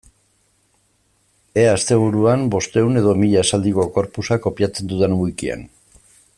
Ea asteburuan bostehun edo mila esaldiko corpusa kopiatzen dudan wikian.